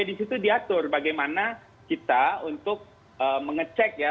disitu diatur bagaimana kita untuk mengecek ya